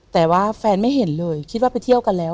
แต่ว่าแฟนไม่เห็นเลยคิดว่าไปเที่ยวกันแล้ว